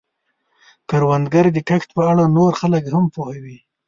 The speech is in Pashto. کروندګر د کښت په اړه نور خلک هم پوهوي